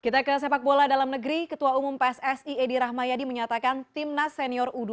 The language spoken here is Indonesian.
kita ke sepak bola dalam negeri ketua umum pssi edi rahmayadi menyatakan timnas senior u dua puluh